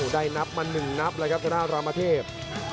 ได้นับมาหนึงนับเลยครับ